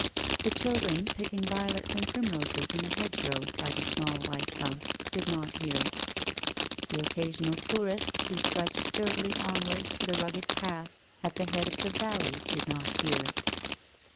The children, picking violets and primroses in the hedgerow by the small white house, did not hear it. The occa sional tourists who trudged sturdily onward to the rugged pass at the head of the valley did not hear it.